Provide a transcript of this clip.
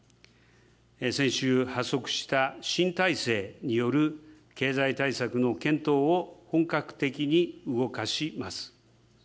先週発足した新体制による経済対策の検討を本格的に動かします。